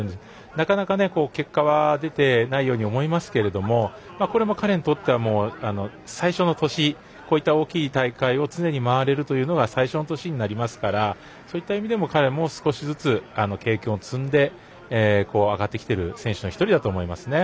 なかなか、結果は出てないように思いますけれどもこれも彼にとっては最初の年、大きい大会を常に回れるというのは最初の年になりますからそういった意味でも彼も少しずつ経験を積んで上がってきている選手の１人だと思います。